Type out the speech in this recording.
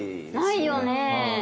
ないよね。